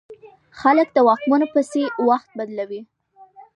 خلک د واکمنو پسې وخت بدلوي.